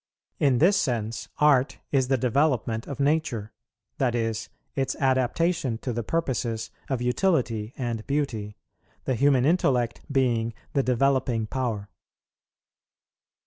In this sense, art is the development of nature, that is, its adaptation to the purposes of utility and beauty, the human intellect being the developing power.